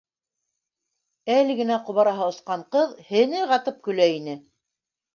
Әле генә ҡобараһы осҡан ҡыҙ һене ҡатып көлә ине